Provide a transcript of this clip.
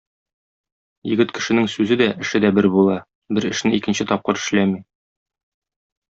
Егет кешенең сүзе дә, эше дә бер була, бер эшне икенче тапкыр эшләми.